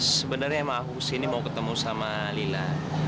sebenarnya emang aku sini mau ketemu sama lila